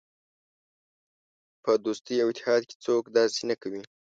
په دوستۍ او اتحاد کې څوک داسې نه کوي.